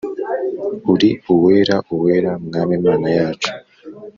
Uri Uwera Uwera ,Mwami Mana yacu,